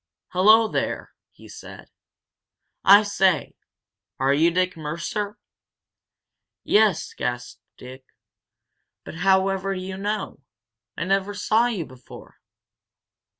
"Hello, there!" he said. "I say, are you Dick Mercer?" "Yes!" gasped Dick. "But however do you know? I never saw you before!"